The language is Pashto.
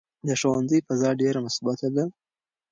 د ښوونځي فضا ډېره مثبته ده.